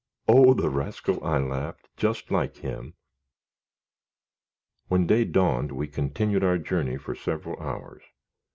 "Oh! the rascal," I laughed, "just like him." When day dawned we continued our journey for several hours.